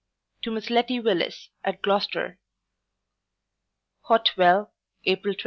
To Miss LETTY WILLIS, at Gloucester HOT WELL, April 21.